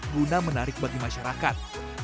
guna menarik bagi masyarakat